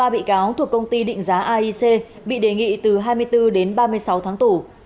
ba bị cáo thuộc công ty định giá aic bị đề nghị từ hai mươi bốn đến ba mươi sáu tháng tù